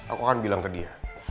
aku akan bilang ke dia